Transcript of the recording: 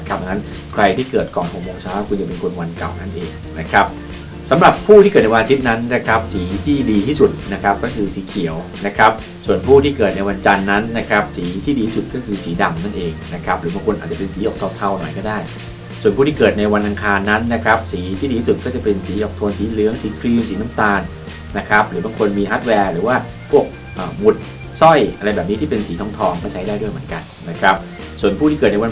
เพราะฉะนั้นใครที่เกิดกล่องหกโมงเช้าคุณจะเป็นคนวันเก่านั่นเองนะครับสำหรับผู้ที่เกิดในวันทิศนั้นนะครับสีที่ดีที่สุดนะครับก็คือสีเขียวนะครับส่วนผู้ที่เกิดในวันจันนั้นนะครับสีที่ดีที่สุดก็คือสีดำนั่นเองนะครับหรือบางคนอาจจะเป็นสีออกโทนเทาหน่อยก็ได้ส่วนผู้ที่เกิดในวันอ